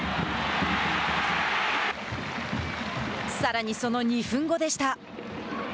さらにその２分後でした。